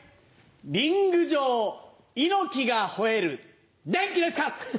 リング上猪木がほえるデンキですか！